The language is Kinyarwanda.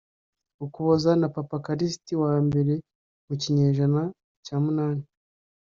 ukuboza na papa kalisiti wa mbermu kinyejana cya munani